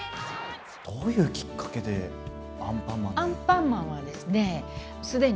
どういうきっかけでアンパンマンに？